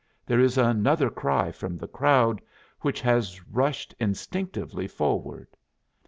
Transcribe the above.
There is another cry from the crowd, which has rushed instinctively forward.